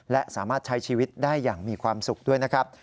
และสามารถใช้ชีวิตได้อย่างมีความสุขด้วยนะครับ